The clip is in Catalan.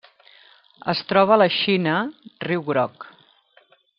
Es troba a la Xina: riu Groc.